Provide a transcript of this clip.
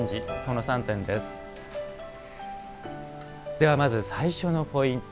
ではまず最初のポイント